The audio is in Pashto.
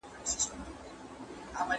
څېړونکی باید د حقایقو په وړاندي تسلیم وي.